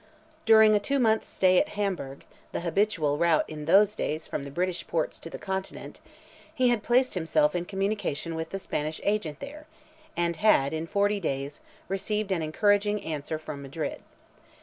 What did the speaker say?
During two months' stay at Hamburg, the habitual route in those days from the British ports to the continent, he had placed himself in communication with the Spanish agent there, and had, in forty days, received an encouraging answer from Madrid.